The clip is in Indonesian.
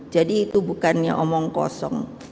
jadi itu bukannya omong kosong